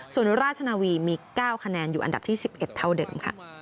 ส่วนราชนาวีมี๙คะแนนอยู่อันดับที่๑๑เท่าเดิมค่ะ